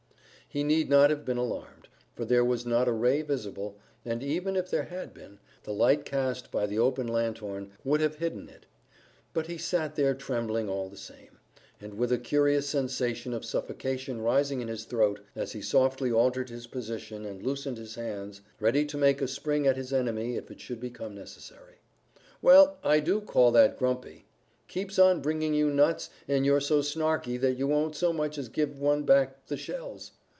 He need not have been alarmed, for there was not a ray visible, and even if there had been, the light cast by the opened lanthorn would have hidden it; but he sat there trembling all the same, and with a curious sensation of suffocation rising in his throat, as he softly altered his position and loosened his hands, ready to make a spring at his enemy if it should become necessary. "Well, I do call that grumpy. Keeps on bringing you nuts, and you're so snarky that you won't so much as give one back the shells.